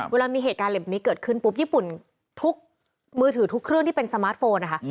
เวลามีเหตุการณ์เหล็บนี้เกิดขึ้นปุ๊บญี่ปุ่นทุกมือถือทุกเครื่องที่เป็นสมาร์ทโฟนนะคะ